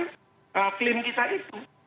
kita akan menggunakan klaim kita itu